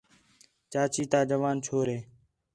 چاچی تا جوان چھور ہِے